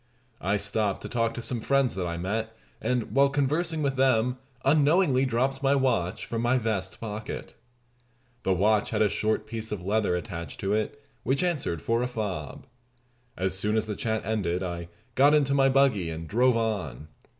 I stopped to talk to some friends that I met, and while conversing with them unknowingly dropped my watch from my vest pocket. The watch had a short piece of leather attached to it, which answered for a fob. As soon as the chat ended I got into my buggy, and drove on.